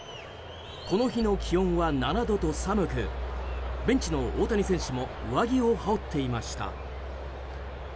この日の気温は７度と寒くベンチの大谷選手も上着を羽織っていました。